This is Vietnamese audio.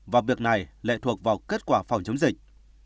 và việc này lại thuộc vào kết quả phòng chống dịch